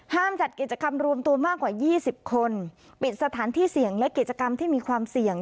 จัดกิจกรรมรวมตัวมากกว่า๒๐คนปิดสถานที่เสี่ยงและกิจกรรมที่มีความเสี่ยง